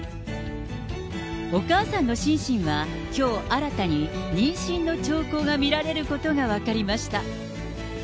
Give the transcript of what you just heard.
お母さんのシンシンはきょう新たに妊娠の兆候が見られることが分かりました。